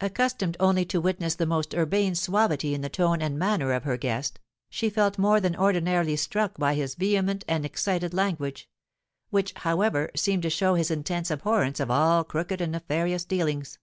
Accustomed only to witness the most urbane suavity in the tone and manner of her guest, she felt more than ordinarily struck by his vehement and excited language; which, however, seemed to show his intense abhorrence of all crooked and nefarious dealings.